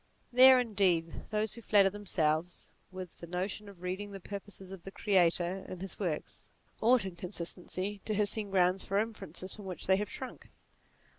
There, indeed, those who flatter themselves with the notion of reading the purposes of the Creator in his works, ought in consistency to have seen grounds for inferences from which they have shrunk.